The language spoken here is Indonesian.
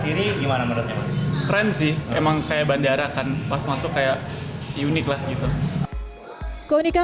sini gimana menurutnya keren sih emang kayak bandara kan pas masuk kayak unik lah gitu keunikan